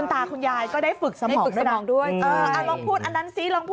แถมมีสรุปอีกต่างหาก